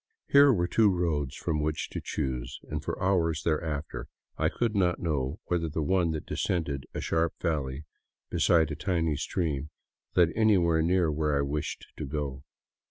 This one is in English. Here were two roads from which to choose, and for hours there after I could not know whether the one that descended a sharp valley beside a tiny stream led anywhere near where I wished to go.